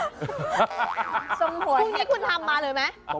พรุ่งนี้คุณทำมาเลยไหม